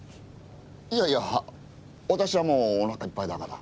いやいや私はもうおなかいっぱいだから。